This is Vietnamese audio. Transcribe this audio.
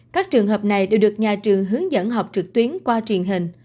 các trường hợp này đều được nhà trường hướng dẫn học trực tuyến qua truyền hình